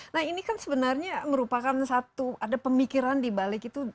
nah ini kan sebenarnya merupakan satu ada pemikiran dibalik itu